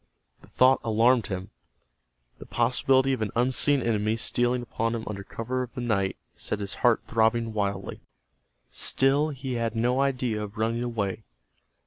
The thought alarmed him. The possibility of an unseen enemy stealing upon him under cover of the night set his heart throbbing wildly. Still he had no idea of running away.